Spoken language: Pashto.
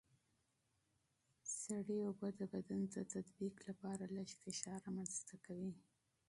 سړه اوبه د بدن د تطبیق لپاره لږ فشار رامنځته کوي.